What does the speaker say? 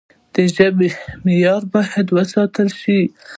د ژبي معیار باید وساتل سي.